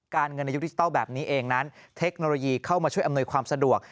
เงินในยุคดิจิทัลแบบนี้เองนั้นเทคโนโลยีเข้ามาช่วยอำนวยความสะดวก